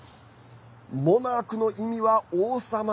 モナークの意味は王様。